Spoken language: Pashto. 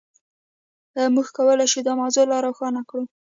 موږ کولای شو دا موضوع لا روښانه کړو.